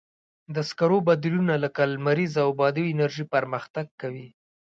د سکرو بدیلونه لکه لمریزه او بادي انرژي پرمختګ کوي.